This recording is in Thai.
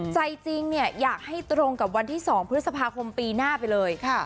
ใจจริงเนี่ยอยากให้ตรงกับวันที่๒พฤษภาคมปีหน้าไปเลย